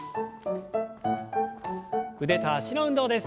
腕と脚の運動です。